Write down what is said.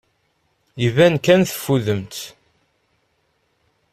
Iban kan teffudemt.